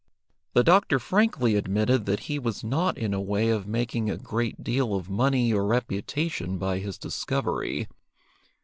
The doctor frankly admitted that he was not in a way of making a great deal of money or reputation by his discovery.